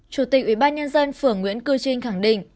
chủ tịch ủy ban nhân dân phưởng nguyễn cư trinh khẳng định